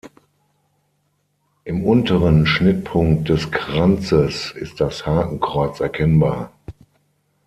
Im unteren Schnittpunkt des Kranzes ist das Hakenkreuz erkennbar.